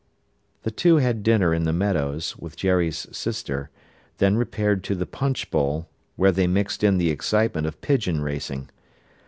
The two had dinner in the Meadows, with Jerry's sister, then repaired to the Punch Bowl, where they mixed in the excitement of pigeon racing.